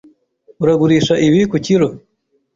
Uragurisha ibi ku kilo?